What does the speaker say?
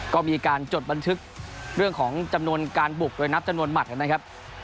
ก็มีการจดบันทึกเรื่องของจำนวนการบุกโดยนับจำนวนหมัดนะครับ